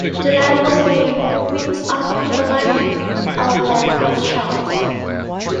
The land was named "Province of Carolina" or land of Charles.